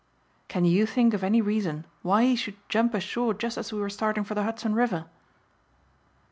"Can you think of any reason why he should jump ashore just as we were starting for the Hudson River?"